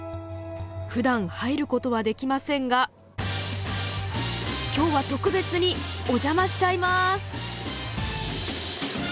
ふだん入ることはできませんが今日は特別にお邪魔しちゃいます。